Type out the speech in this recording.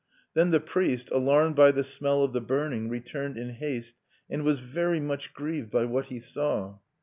Then the priest, alarmed by the smell of the burning, returned in haste, and was very much grieved by what he saw.